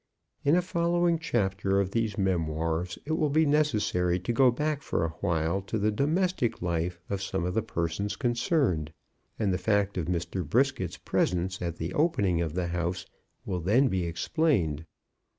In a following chapter of these memoirs it will be necessary to go back for a while to the domestic life of some of the persons concerned, and the fact of Mr. Brisket's presence at the opening of the house will then be explained.